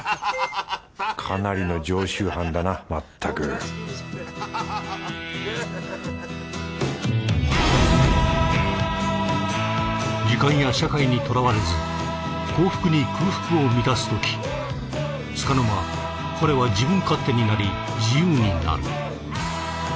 かなりの常習犯だなまったく時間や社会にとらわれず幸福に空腹を満たすときつかの間彼は自分勝手になり自由になる。